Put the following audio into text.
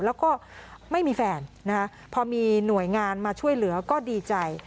แล้วก็ไม่มีแฟนนะคะพอมีหน่วยงานมาช่วยเหลือก็ดีใจ